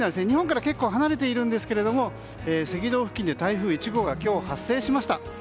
日本から結構離れているんですけど赤道付近で台風１号が今日発生しました。